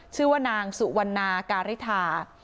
ชื่อว่านางสุวรรณาการิทา